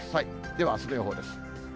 では、あすの予報です。